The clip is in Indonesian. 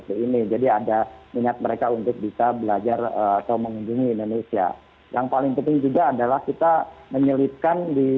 hai lampau ingat juga adalah kita menyelipkan